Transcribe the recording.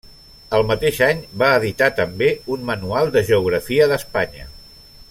Al mateix any va editar també un manual de Geografia d'Espanya.